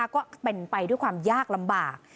ก็เป็นไปด้วยความยากลำบาก